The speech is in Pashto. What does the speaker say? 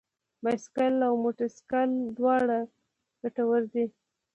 بايسکل او موټر سايکل دواړه ګټور دي.